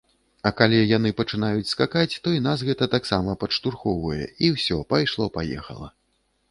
А калі яны пачынаюць скакаць, то і нас гэта таксама падштурхоўвае і ўсё, пайшло-паехала.